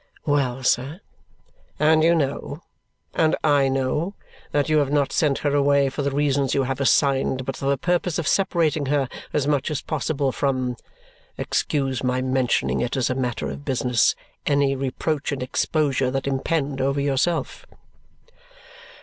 "Well, sir?" "And you know and I know that you have not sent her away for the reasons you have assigned, but for the purpose of separating her as much as possible from excuse my mentioning it as a matter of business any reproach and exposure that impend over yourself."